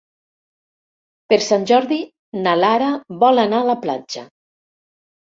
Per Sant Jordi na Lara vol anar a la platja.